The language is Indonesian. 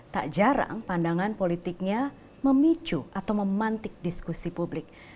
tak jarang pandangan politiknya memicu atau memantik diskusi publik